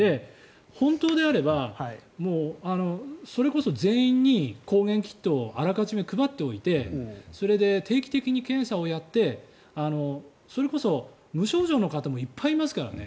本当であればそれこそ全員に抗原キットをあらかじめ配っておいてそれで定期的に検査をやってそれこそ無症状の方もいっぱいいますからね。